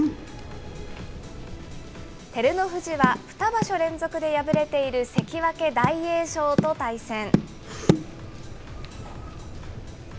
照ノ富士は２場所連続で敗れている、関脇・大栄翔と対戦。